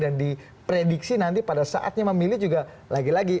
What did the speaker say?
dan diprediksi nanti pada saatnya memilih juga lagi lagi